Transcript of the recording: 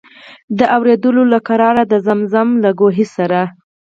د اورېدلو له قراره د زمزم له کوهي سره.